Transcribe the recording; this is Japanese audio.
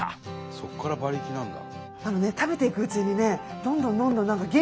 そこから「馬力」なんだ。